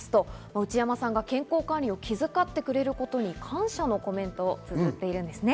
内山さんが健康管理を気づかってくれることに感謝のコメントをつづっているんですね。